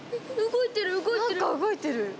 動いてる動いてる！